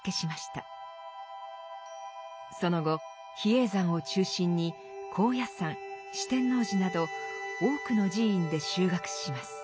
その後比叡山を中心に高野山四天王寺など多くの寺院で修学します。